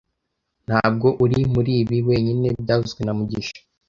Ntabwo uri muri ibi wenyine byavuzwe na mugisha